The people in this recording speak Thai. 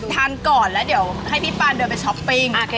ทานก่อนแล้วเดี๋ยวให้พี่ปานเดินไปช้อปปิ้ง